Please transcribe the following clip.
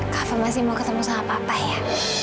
kak afah masih mau ketemu sama papa ya